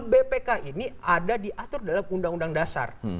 bpk ini ada diatur dalam undang undang dasar